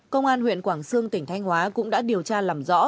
công an huyện quảng sương tỉnh thanh hóa cũng đã điều tra làm rõ